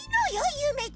ゆめちゃん。